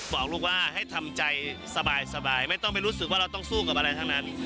บอกลูกว่าให้ทำใจสบายไม่ต้องไปรู้สึกว่าเราต้องสู้กับอะไรทั้งนั้น